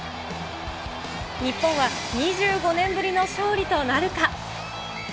日本は２５年ぶりの勝利となるか。